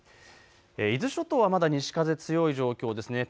伊豆諸島はまだ西風、強い状況ですね。